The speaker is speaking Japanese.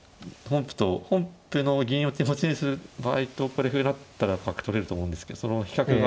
本譜の銀を手持ちにする場合とここで歩成ったら角取れると思うんですけどその比較が。